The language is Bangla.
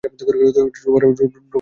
Drover Joe Johnson?